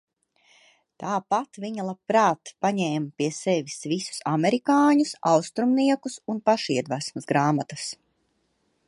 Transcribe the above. Tāpat viņa labprāt paņēma pie sevis visus amerikāņus, austrumniekus un pašiedvesmas grāmatas.